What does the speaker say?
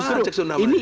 ya kemarin cek sunamnya